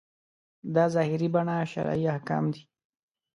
دا ظاهري بڼه شرعي احکام دي.